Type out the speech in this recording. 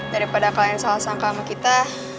daripada kalian salah sangka sama kita